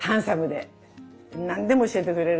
何でも教えてくれる。